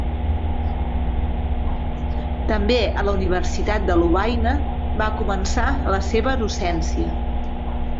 També a la universitat de Lovaina va començar la seva docència.